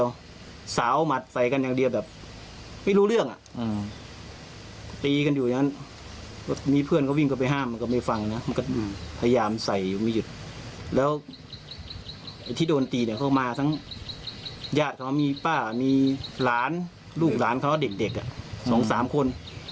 ญาติเขามีป้ามีหลานลูกหลานเขาเด็กสองสามคน